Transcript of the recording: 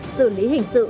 xử lý hình sự